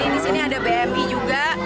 di sini ada bmi juga